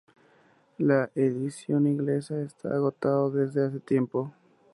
La edición inglesa está agotado desde hace tiempo.